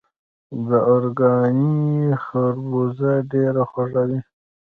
د ارکاني خربوزه ډیره خوږه وي.